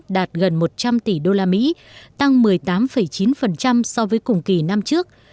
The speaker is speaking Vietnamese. tăng tính đạt gần một trăm linh tỷ đô la mỹ tăng một mươi tám chín so với cùng kỳ năm trước